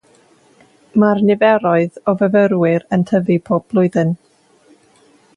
Mae'r niferoedd o fyfyrwyr yn tyfu bob blwyddyn.